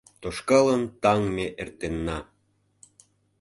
Тошкалын таҥ ме эртенна.